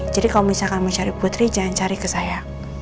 jadi kalau misalkan kamu cari putri jangan cari ke saya